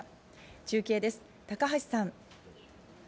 中継です、高橋さん。